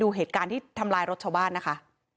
เหตุการณ์ที่ทำลายรถชาวบ้านนะคะ